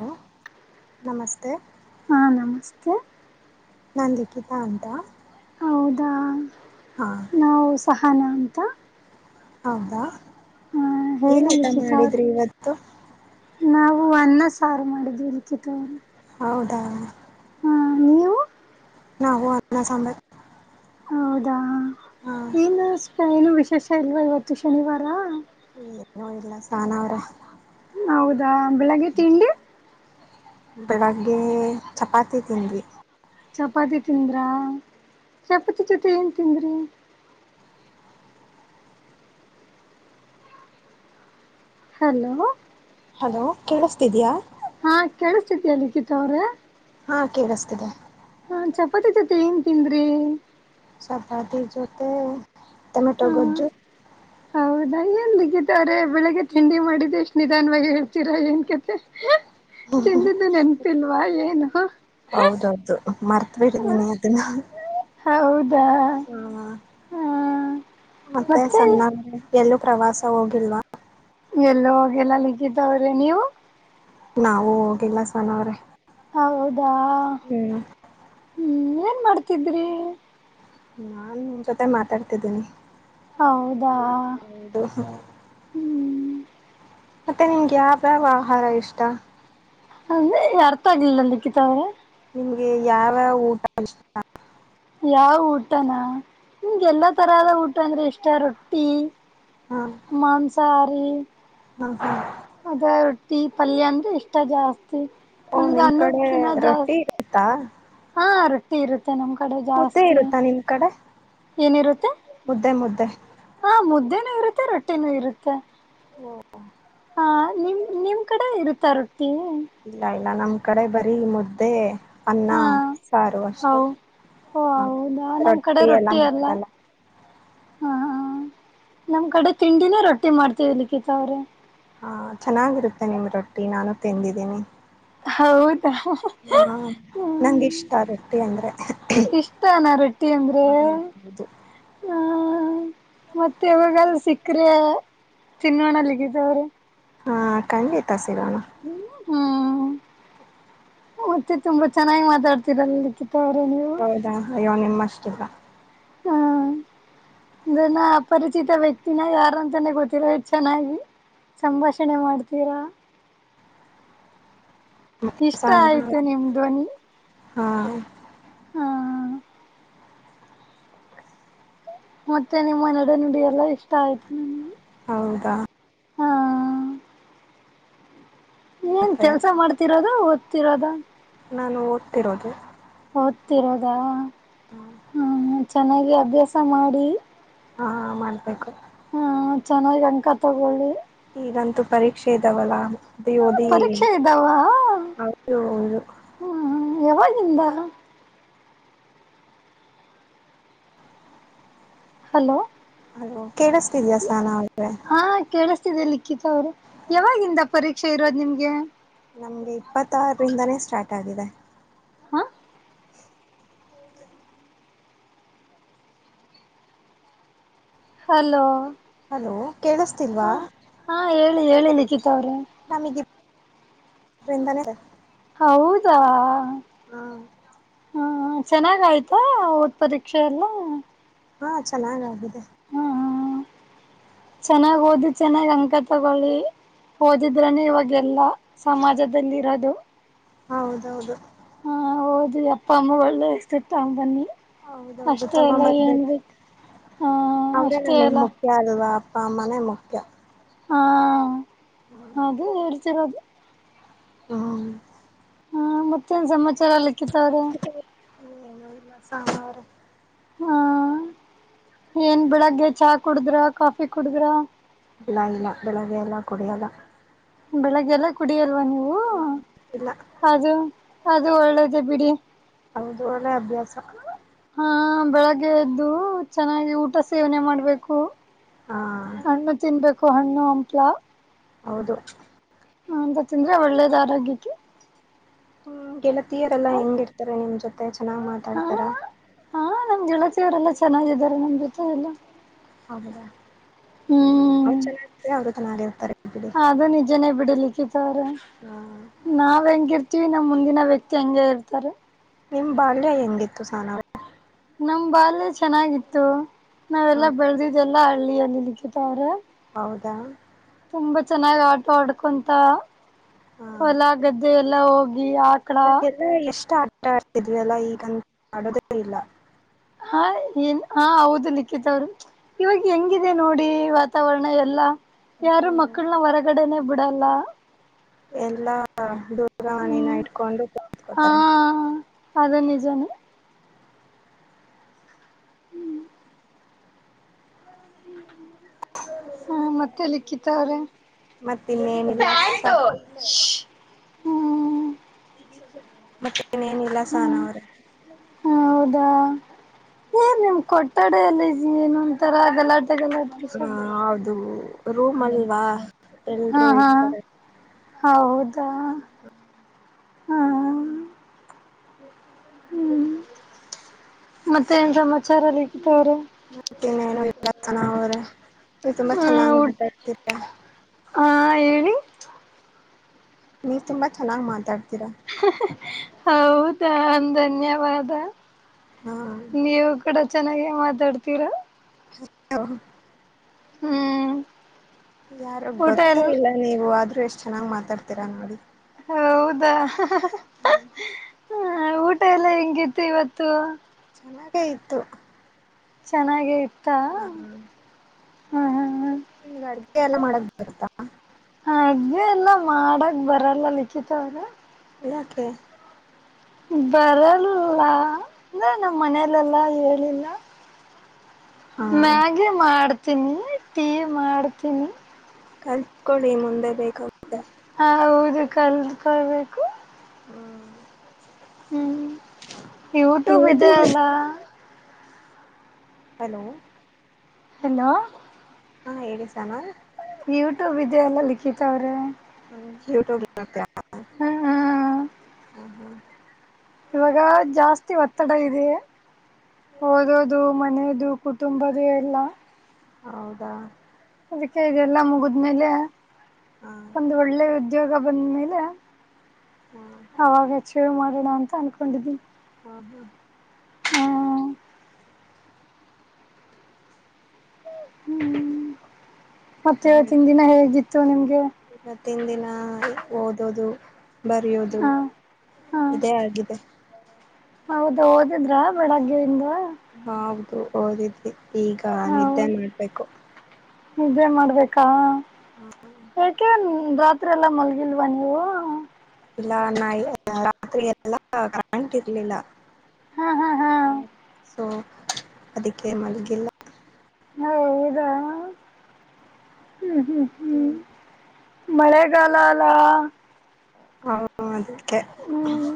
Hello ನಮಸ್ತೆ ಹಾ ನಮಸ್ತೆ ನಾ ಲಿಖಿತಾ ಅಂತ ಹೌದ ಹಾ ಅನಂತ ಹೌದಾ ಏನ್ ಹೇಳಿ ಊಟ ಲಿಖಿತ ಅವ್ರೆ ಮಾಡಿದ್ರಿ ಇವತ್ತು ನಾವು ಅನ್ನ ಸಾರು ಮಾಡಿದೀವಿ [unintelligible] ಇ ಕಿತ ಹೌದಾ ಹಾ ನೀವು ನಾವು ಅನ್ನ ಸಾಂಬಾರ್ ಹೌದಾ ಹಾ ಏನ್ ಸ್ಪೈನು ವಿಶೇಷ ಇಲ್ವಾ ಇವತ್ತು ಶನಿವಾರ ಏನು ಇಲ್ಲ ಸಾನ ಅವ್ರೆ ಹೌದಾ ಬೆಳಗ್ಗೆ ತಿಂಡಿ ಬೆಳಗ್ಗೆ ಚಪಾತಿ ತಿಂದ್ವಿ ಚಪಾತಿ ತಿಂದ್ರ ಚಪಾತಿ ಜೊತೆ ಏನ್ ತಿಂದ್ರಿ ಹಲೋ ಹಲೋ ಕೇಳ್ಸ್ತಿದಿಯಾ ಹಾ ಕೇಳ್ಸ್ತಿದಿಯ ಲಿಖಿತ ಅವ್ರೆ ಹಾ ಕೇಳಿಸ್ತಿದೆ ಹ ಚಪಾತಿ ಜೊತೆ ಏನ್ ತಿಂದ್ರಿ ಚಪಾತಿ ಜೊತೆ ಟೊಮೆಟೊ ಹ ಗೊಜ್ಜು ಹೌದಾ ಏನ್ ಲಿಖಿತಾ ಅವ್ರೆ ಬೆಳಿಗ್ಗೆ ತಿಂಡಿ ಮಾಡಿದ್ದೆ ಇಸ್ಟ್ ನಿಧಾನವಾಗಿ ಹೇಳ್ತೀರಾ ಏನ್ ತಿಂದಿದ್ದು ನೆನ್ಪಿಲ್ವಾ ಏನು ಮರ್ತ್ಬಿಟ್ಟಿದೀನಿ ಅದನ್ನ ಹೌದಾ ಹಾ ಹ ಮತ್ತೆ ಸಣ್ಣ ಎಲ್ಲೂ ಪ್ರವಾಸ ಹೋಗಿಲ್ವಾ ಎಲ್ಲು ಹೋಗಿಲ್ಲ ಲಿಖಿತವ್ರೆ ನೀವು ನಾವು ಹೋಗಿಲ್ಲ ಸಾನ ಅವ್ರೆ ಹೌದಾ ಹ್ಮ್ ಹ್ಮ್ ಏನ್ ಮಾಡ್ತಿದ್ರಿ ನಾನ್ ನಿಮ್ ಜೊತೆ ಮಾತಾಡ್ತಿದ್ದೀನಿ ಹೌದಾ ಹೌದು ಹ್ಮ್ ಮತ್ತೆ ನಿಮ್ಗೆ ಯಾವ್ಯಾವ ಆಹಾರ ಇಷ್ಟ ಅಂದ್ರೆ ಅರ್ಥ ಆಗ್ಲಿಲ್ಲ ಲಿಖಿತ ಅವ್ರೆ ನಿಮ್ಗೆ ಯಾರ ಊಟ ಇಷ್ಟ ಯಾವ ಊಟನಾ ನಿಮ್ಗೆಲ್ಲಾ ತರದ ಊಟ ಅಂದ್ರೆ ಇಷ್ಟ ರೊಟ್ಟಿ ಹ ಮಾಂಸಹಾರಿ ಹ ಹ ಅದ ರೊ ಟ್ಟಿ ಪಲ್ಯ ಅಂದ್ರೆ ಇಷ್ಟ ಜಾಸ್ತಿ ಓ ನನ್ಗೆ ನಿಮ್ ಕಡೆ ಅನ್ನದ್ಕಿನ ರೊಟ್ಟಿ ಜಾಸ್ತಿ ಇರುತ್ತಾ ಹಾ ರೊಟ್ಟಿ ರೊ ಮುದ್ದೆ ಇರುತ್ತಾ ನಿಮ್ ಕಡೆ ಏನಿರುತ್ತೆ ಮುದ್ದೆ ಮುದ್ದೆ ಹಾ ಮುದ್ದೆನೂ ಇರುತ್ತೆ ರೊಟ್ಟಿನೂ ಇರುತ್ತೆ ಹಓ ಹಾ ನಿಮ್ ನಿಮ್ ಕಡೆ ಇರುತ್ತ ರೊಟ್ಟಿ ಇಲ್ಲ ಇಲ್ಲ ನಮ್ ಕಡೆ ಬರಿ ಮುದ್ದೆ ಅನ್ನ ಹಾ ಸಾರು ಹೌ ಅಷ್ಟೆ ಓ ಹ ಹೌದಾ ನಮ್ ಕಡೆ ರೊಟ್ಟಿ ಎಲ್ಲ ಅಲ್ಲ ಮಾಡಲ್ಲ ಹ ನಮ್ ಕಡೆ ತಿಂಡಿನೇ ರೊಟ್ಟಿ ಮಾಡ್ತೇವಿ ಲಿಖಿತ ಅವ್ರೆ ಹಾ ಚೆನ್ನಾಗಿರುತ್ತೆ ನಿಮ್ ರೊಟ್ಟಿ ನಾನು ತಿಂದಿದ್ದೀನಿ ಹೌದ್ ಹ್ಮ ಹಾ ನಂಗೆ ಇಷ್ಟ ರೊಟ್ಟಿ ಅಂದ್ರೆ ಇಷ್ಟ ನ ರೊಟ್ಟಿ ಅಂದ್ರೆ ಹೌ ಹೌದು ಹ್ಮ ಮತ್ತೆ ಯಾವಾಗರು ಸಿಕ್ರೆ ತಿನ್ನೋಣ ಲಿಖಿತ ಅವ್ರೆ ಹಾ ಖಂಡಿತ ಸ [unintelligible] ಹ್ಮ್ ಮತ್ತೆ ತುಂಬಾ ಚೆನ್ನಾಗಿ ಮಾತಾಡ್ತಿರಲ್ [unintelligible] ಹೌದಾ ಅಯ್ಯೋ ನಿಮ್ಮ ಅಷ್ಟಿಲ್ಲ [unintelligible] ಹ್ಮ್ ಇದನ್ನ ಅಪರಿಚಿತ ವ್ಯಕ್ತಿನ ಯಾರಂತಾನೆ ಗೊತ್ತಿರ [unintelligible] ಚೆನ್ನಾಗಿ ಸಂಭಾಷಣೆ ಮಾಡ್ತೀರಾ [unintelligible] ಇಷ್ಟ ಆಯ್ತು ನಿಮ್ ಧ್ವನಿ [unintelligible] ಹ್ಮ [unintelligible] ಹಾ [unintelligible] ಮತ್ತೆ ನಿಮ್ಮನೆಡೆ ನುಡಿ ಎಲ್ಲ ಇಷ್ಟ ಆಯ್ತು ಹೌದಾ [unintelligible] ಹಾ [unintelligible] ಏನ್ ಮತ್ತೆ ಕೆಲ್ಸ ಮಾಡ್ತಿರೋದ ಓದ್ತಿರೋದ [unintelligible] ತಿರೋದು [unintelligible] ಓದ್ತಿರೋದಾ ಹ್ಮ ಚೆನ್ನಾಗಿ ಅಭ್ಯಾಸ ಮಾಡಿ [unintelligible] ಹಾ ಮಾಡ್ಬೇಕು [unintelligible] ಹಾ ಚೆನ್ನಾಗಿ ಅಂಕ ತಗೊಳ್ಳಿ [unintelligible] ಈಗಂತೂ ಪರೀಕ್ಷೆ ಇದಾವಲ್ಲ ಮತ್ತೆ ಓದಿ ಪರೀಕ್ಷೆ ಇದ್ದಾವ ಹೌದು ಹೌದು [unintelligible] ಯಾವಾಗಿಂದನ [unintelligible] ಹಲೋ [unintelligible] ಕೇಳಿಸ್ತಿದ್ಯಾಯ ಸನಾವ್ರೆ [unintelligible] ಇ ಲಿಖಿತ ಅವರು ಯಾವಾಗಿಂದ ಪರೀಕ್ಷೆ ಇರೋದು ನಿಮ್ಗೆ [unintelligible] ನಮಗೆ ಇಪ್ಪತ್ತಾರರಿಂದನೇ ಸ್ಟಾರ್ಟ್ ಆಗಿದೆ [unintelligible] ಹಾ [unintelligible] [unintelligible] [inaudible] ಹಲೋ [unintelligible] ಹಲೋ ಹ ಕೇಳ್ತಿಲ್ವಾ ಹಾ [unintelligible] ಹೇಳಿ ಹೇಳಿ ಲಿಖಿತ ಅವ್ರೆ [unintelligible] ನಾಮಗಂತಾನೆ [unintelligible] ಹೌದಾ [unintelligible] ಹ ಚೆನ್ನಾಗ ಆಯ್ತಾ ಓಟ್ ಪರೀಕ್ಷೆ ಎಲ್ಲ [unintelligible] ಹಾ ಚೆನ್ನಾಗಗಾಗಿದೆ [unintelligible] [inaudible] ಚೆನ್ನಾಗ ಓದ್ ಚೆನ್ನಾಗ್ ಅಂಕ ತಗೊಳ್ಳಿ [unintelligible] ಓದಿದ್ರನೆೇ ಇವಾಗೆಲ್ಲ ಸಮಾಜದಲ್ಲಿ ಇರೋದು [unintelligible] ಹೌದೌದು [unintelligible] ಹಾ ಹಓದ್ [unintelligible] ಅಪ್ಪ ಅಮ್ಮ ಒಳ್ಳೆ ಇರ್ತಿತ ಬನ್ನಿ ಹೌದೌದು ಅಷ್ಟೇ ಅಲ್ಲ ಏನ್ ತಗೊಂಬರ್ಬೇಕು ಬ ಹ ಅಷ್ಟೇ [unintelligible] ಅಲ್ಲ ಅಮ್ಮನೆ ಮುಖ್ಯ [unintelligible] ಹಾ ಅದು ಅರಿಚರೋದು [unintelligible] ಹ್ಮ್ [unintelligible] ಹಾ ಮತ್ತೇನ್ ಸಮಾಚಾರಲಿಕ್ಕಿತವ್ರೆ [unintelligible] ಏ ಇಲ್ಲ ಸಾರವ್ರೆ [unintelligible] ಹ್ಮ ಏನ್ ಬೆಳಗ್ಗೆ ಚಾ ಕುಡುದ್ರ ಕಾಫಿ [unintelligible] ಬಳಾಯಲಾ ಬೆಳಗೆಲ್ಲ ಕೊಡೆಯಲ [unintelligible] ಬೆಳಗ್ಗೆಲ್ಲ ಕುಡಿಯ [unintelligible] ಲ್ವಾ ನೀವು ಇಲ್ಲ ಅದು ಅದು ಒಳ್ಳೆದೇ ಬಿಡಿ [unintelligible] ಅದೂ ಒಳ್ಳೆ ಅಭ್ಯಾಸ. ಹ ಬೆಳಗ್ಗೆ ಎದ್ದು ಚೆನ್ನಾಗಿ ಊಟ ಸೇವನೆ ಮಾಡ್ಬೇಕು ಹಾ [unintelligible] ಹಣ್ಣು ತಿನ್ಬೇಕು ಹಣ್ಣು ಹಂಪ್ಲ [unintelligible] ಹೌದು [unintelligible] ಹ ಅಂತ ತಿಂದ್ರೆ ಒಳ್ಳೇದ ಆರೋಗ್ಯಕ್ಕೆ [unintelligible] ಹ ಗೆಳತಿಯರೆಲ್ಲಾ ಹೆಂಗಿರ್ತಾರೆ ನಿಮ್ ಜೊತೆ ಚೆನಾಗ್ ಹ ಮಾತಾಡ್ತರ ಚೆನಾಗಿದಾರ ನಿಮ್ಮ್ ಜೊತೆ ಎಲ್ಲ ಹೌದಾ ಹ್ಮ್ ನಾವು ಚೆನಾಗಿದ್ರೆ ಅವ್ರು ಚೆನಾಗಿರ್ತಾರೆ. ಅದು ನಿಜನೇ ಬಿಡಿ ಲಿಖಿತ ಅವ್ರೆ ಹಾ ನಾವ್ ಹೆಂಗಿರ್ತಿವಿ ನಮ್ಮ್ ಮುಂದಿನ ವ್ಯಕ್ತಿ ತೆಂಗೆ ಇರ್ತಾರೆ. ನಿಮ್ ಬಾಲ್ಯ ಹೆಂಗಿತ್ತು ಸಹನಾ ಅವ್ರೆ ನಮ್ ಬಾಲ್ಯ ಚೆನ್ನಾಗಿತ್ತು ನಾವೆಲ್ಲಾ ಬೆಳೆದಿದ್ದೆಲ್ಲ ಹಳ್ಳಿಯಲ್ಲಿ ಲಿಖಿತ ಅವ್ರೆ. ಹೌದಾ ತುಂಬಾ ಚೆನ್ನಾಗ್ ಆಟ ಆಡ್ಕೊಂತ ಹಾ ಹೊಲ ಗದ್ದೆ ಎಲ್ಲಾ ಹೋಗಿ ಆಕಳ ಅವಾಗೆಲ್ಲ ಎಷ್ಟ್ ಆಟ ಆಡ್ತಿದ್ವಿ ಅಲ್ಲ ಈಗಂತ್ ಆಡೋದೇ ಇಲ್ಲ ಹಾ ಏನ್ ಹಾ ಹೌದು ಲಿಖಿತವ್ರು ಇವಾಗ ಹೆಂಗಿದೆ ನೋಡಿ ವಾತಾವರಣ ಎಲ್ಲಾ ಯಾರು ಹ್ಮ್ ಮಕ್ಕ್ಳುನ್ನ ಹೊರಗಡೆನೆೇ ಬಿಡಲ್ಲ ಎಲ್ಲಾ ದೋ [unintelligible] ನ ಹ್ಮ್ ಇಟ್ಕೊಂಡು ಹಾ ಕುತ್ಕೊತಾರೆ ಅದು ನಿಜಾನೇ ಹ ಮತ್ತೆ ಲಿಖಿತ ಅವ್ರೆ ಮತ್ತ್ ಇನ್ನೇನಿಲ್ಲ ತೋಯ್ ಹ್ಮ್ ಮತ್ತಿನ್ನೇನಿಲ್ಲ ಸಹನ ಹ್ಮ್ ಅವ್ರೆ. ಹೌದಾ ಏನ್ ನಿಮ್ ಕೊಟ್ಟಡ ಎಲ್ಲ ಏನ್ ಒಂತರಾ ಗಲಾಟೆ ಗಲಾಟೆ ಹಾ ಶಬ್ದ. ಹೌದು ರೂಮ್ ಅಲ್ವಾ ಹಾ ಎಲ್ರು ಹಾ ಇರ್ತರೆ. ಹೌದಾ ಹಾ ಹ್ಮ್ ಮತ್ತೆ ಏನ್ ಸಮಾಚಾರ ರೀ ಮತ್ತ್ ಇನ್ನೇನು ಇಲ್ಲ ಸನಾ ಅವ್ರೆ ನೀವ್ ತುಂಬಾ ಚೆನ್ನಾಗ್ ಹ್ಮ್ ಮಾತಾಡ್ತಿರ. ಹಾ ಹೇಳ್ ನೀವ್ ತುಂಬಾ ಚೆನ್ನಾಗ್ ಮಾತಾಡ್ ಹೌದಾ ಧನ್ಯವಾದ ಹಾ ನೀವು ಕೂಡ ಚೆನ್ನಾಗೆ ಮಾತಾಡ್ತಿರಾ ಹಯ್ಯೋ ಹ್ಮ್ ಯಾರು ಊಟ ಗೊತ್ತೆ ಎಲ್ಲ ಇಲ್ಲ ನೀವು ಆದ್ರೂ ಎಷ್ಟ್ ಚೆನ್ನಾಗ್ ಮಾತಾಡ್ತೀರಾ ನೋಡಿ. ಹೌದಾ [unintelligible] ಹ ಊಟ ಎಲ್ಲ ಹೆಂಗಿತ್ತು ಇವತ್ತು ಚೆನಾಗೇ ಇತ್ತು. ಚೆನಾಗೆ ಇತ್ ಹಾ ಹ್ಮ್ ಹ್ಮ್ ನಿಮ್ಗ್ ಅಡ್ಗೆ ಎಲ್ಲ ಮಾಡಕ್ ಬರತ್ತಾ ಲ್ಲ ಎಲ್ಲ ಮಾಡಕ್ ಬರಲ್ಲ ಲಿಖಿತ ಅವ್ರೆ. ಯಾಕೆ ಬರಲ್ಲ ಅಂದ್ರೆ ನಮ್ಮ್ ಮನೇಲೆೆಲ್ಲಾ ಹೇಳಿಲ್ಲ. ಹಾ ಮ್ಯಾಗಿ ಮಾಡ್ತೀನಿ ಟೀ ಮಾಡ್ತೀನಿ. ಕಲ್ತ್ಕೊಳ್ಳಿ ಮುಂದೆ ಬೇಕ್ ಹ ಹೌದು ಕಲ್ತ್ಕೋಳ್ಬೇಕು. ಹ್ಮ್ ಹ್ಮ್ ಯೂಟ್ಯೂಬ್ ಇದೆ ಅಲಾ. ಹಲೋ ಹಲೋ ಹಾ ಹೇಳಿ ಸಾಹನ ಅವ್ರೆ ಯೂಟ್ಯೂಬ್ ಇದೆ ಅಲಾ ಲಿಖಿತ ಅವ್ರೆ. ಯೂಟ್ಯೂಬ್ ಹ ಹ್ಮ್ ಹ್ಮ್ ಹಾ ಇವಾಗ ಜಾಸ್ತಿ ಇ ಒತ್ತಡ ಇದೆ ಓದೋದು ಮನೆಯದು ಕುಟುಂಬದ ಎಲ್ಲ ಹೌದಾ ಅದಕ್ಕೆ ಇದೆಲ್ಲಾ ಮುಗಿದ್ಮೇಲೆ ಹಾ ಒಂದು ಒಳ್ಳೆ ಉದ್ಯೋಗ ಬಂದ ಮೇಲೆ ಹಾ ಅವಾಗ ಚೇವ ಮಾಡೋಣ ಅಂತ ಅನ್ಕೊಂಡಿದೀನಿ [unintelligible] ಹ್ಮ್ ಹ್ಮ್ ಮತ್ತೆತ್ತನ್ ದಿನ ಹೇಗಿತ್ತು ನಿಮ್ಗೆ ಹತ್ತಿನ ದಿನ ಓದೋದು ಬರೋದು ಹ ಇದೇ ಆಗಿದೆ ಹೌದು ಓದಿದ್ರ ಬೆಳಗ್ಗೆದ ಹೌದು ಓದಿದ್ವಿ ಈಗ ನಿದ್ದೆ ಮಾಡ್ಬೇಕು ಇದೇ ಮಾಡ್ಬೇಕಾ ಯಾಕೆನ್ ರಾತ್ರಿ ಎಲ್ಲಾ ಮಲ್ಗಿಲ್ವಾ ನೀವು ಇಲ್ಲ ರಾತ್ರಿ ಎಲ್ಲಾ ಕರೆಂಟ್ ಇರ್ಲಿಲ್ಲ ಹಾ ಹಾ ಹಾ ಸೊ ಅದಕ್ಕೆ ಮಲ್ಗಿಲ್ಲ ಹೌದಾ ಹ್ಮ ಹ್ಮ್ ಹ್ಮ್ ಮಳೆಗಾಲ ಅಲ್ಲ ಹ ಅದಕ್ಕೆ ಹ್ಮ್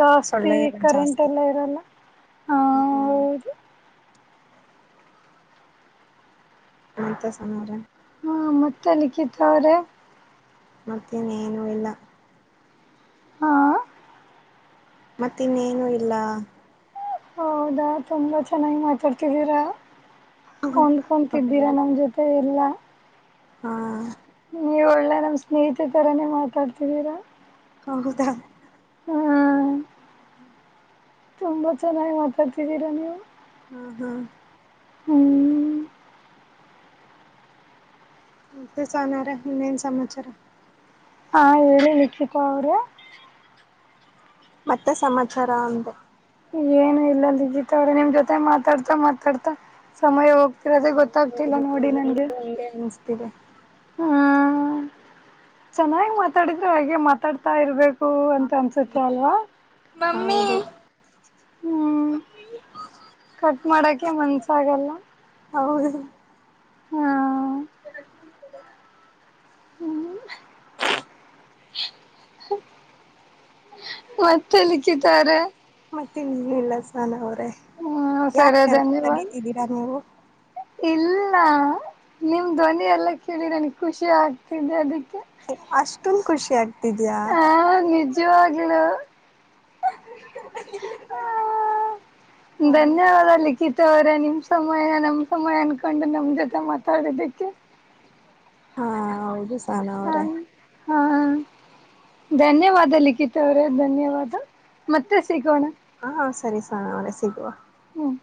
ಜಾಸ್ತಿ ಸೊಳ್ಳೆ ಎಲ್ಲ ಕರೆಂಟ್ ಜಾಸ್ತಿ ಎಲ್ಲ ಇರಲ್ಲ ಹ ಹ್ಮ್ ಹೌದು ಮಾಂತ ಸಮಾರ ಹಾ ಮತ್ತೆ ಲಿಖಿತ ಅವ್ರೇ ಮತ್ತೆ ಏನು ಇಲ್ಲ ಹಾ ಮತ್ತ ಇನ್ನೇನು ಇಲ್ಲ ಹೌದಾ ತುಂಬಾ ಚೆನ್ನಾಗಿ ಮಾತಾಡ್ತಿದ್ದೀರಾ ಕೊಂಡ್ಕೊಂತಿದ್ದೀರಾ ನಮ್ ಜೊತೆ ಎಲ್ಲಾ ಹ್ಮ ಎಲ್ಲ ನಮ್ಮ್ ಸ್ನೇಹಿತಿತರನೇ ಮಾತಾಡ್ತಿದೀರಾ ಹೌದ ಹ [unintelligible] ತುಂಬಾ ಚೆನ್ನಾಗಿ ಮಾತಾಡ್ತಿದ್ದೀರಾ ನೀವು ಹೌದಾ ಹ್ಮ್ ತ್ತ ಸಹನ ಅವ್ರೇ ಏನ್ ಸಮಾಚಾರ ಹಾ ಹೇಳಿ ನಿಕ್ಷಿತಾ ಅವರ ಮತ್ತೆ ಸಮಾಚಾರ ಅಂದೆ ಏನು ಇಲ್ಲಲ್ಲಿಗೀಿತವ್ರೆ ನಿಮ್ ಜೊತೆ ಮಾತಾಡ್ತಾ ಮಾತಾಡ್ತಾ ಸಮಯ ಹೋಗ್ತ ಗೊತ್ತಾಗ್ತಿಲ್ಲ ನೋಡಿ ನನ್ಗೆ ಇರ [unintelligible] ಹ್ಮ್ ಚೆನ್ನಾಗಿ ಮಾತಾಡಿದ್ರೆ ಹಾಗೆ ಮಾತಾಡ್ತಾ ಇರ್ಬೇಕು ಹೂ ಅಂತ ಅನಿಸುತ್ತೆ ಅಲ್ವಾ ಮಮ್ಮಿ ಹ್ಮ್ ಕಟ್ ಮಾಡಕೆ ಮನ್ಸ ಆಗಲ್ಲ ಹೌದು ಹ್ಮ ಹ್ಮ್ ಮತ್ತೆ ಲಿಖಿತ ಅವ್ರೇ ಏನಿಲ್ಲ ಸಹನ ಅವ್ರೇ ಸರಿ ಯಾಕ ಧನ್ಯವಾದ ನಗತಿದ್ದೀರಾ ನೀವು ಇಲ್ಲ ನಿಮ್ಮ ಧ್ವನಿ ಎಲ್ಲ ಕೇಳಿ ನನಗೆ ಖುಷಿ ಆಗ್ತಿದೆ ಅದಕ್ಕೆ. ಫುಲ್ ಖುಷಿ ಆಗ್ತಿದೇಯಾ. ಹಾ [unintelligible] [unintelligible] ಹ ಹಾ ಧನ್ಯವಾದ ಲಿಖಿತ ತ ಅವ್ರೆ ನಿಮ್ ಸಮಯ ನಮ್ ಸಮಯ ಅನ್ಕೊಂಡು ನಮ್ ಜೊತೆ ಮಾತಾಡಿದೀಕ್ಕೆ. ಹಾ ಹೌದು ಸಹನಾ ಹ ಅವ್ರೆ. ಹಾ ಧನ್ಯವಾದ ಲಿಖಿತ ಅವ್ರೇ ಧನ್ಯವಾದ ಮತ್ತೆ ಸಿಗೋಣ. ಹಾ ಸರಿ ಸಹಣ ಅವ್ರೆ ಸಿಗುವ. ಹ್ಮ್